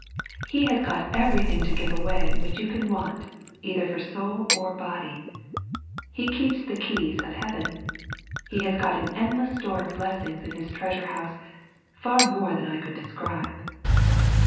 He has got everything to give away which you can want, either for soul or body. He keeps the keys of heaven. He has got an endless store of blessings in His treasure house, far more than I could describe.